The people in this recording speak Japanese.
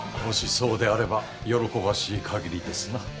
もしそうであれば喜ばしいかぎりですな。